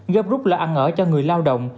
gấp rút lợi ăn ở cho người lao động